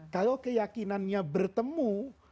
kalau keyakinannya bertemu